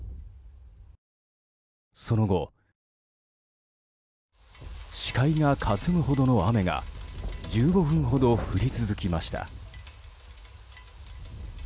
その後、視界がかすむほどの雨が１５分ほど降り続きました。